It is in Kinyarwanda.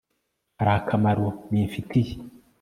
hari akamaro bimfitiye